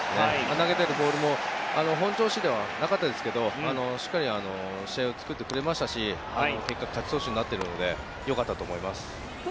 投げているボールも本調子ではなかったですがしっかり試合を作ってくれましたし結果、勝ち投手になったので良かったと思います。